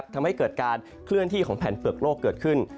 ทำให้เกิดการเคลื่อนที่ของแผ่นเปลือกโลกเกิดขึ้น